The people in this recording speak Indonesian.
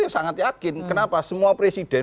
saya sangat yakin kenapa semua presiden